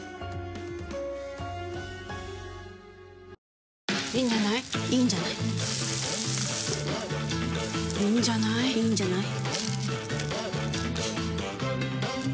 いいんじゃない？いいんじゃない？いいんじゃない？いいんじゃない？いいんじゃない。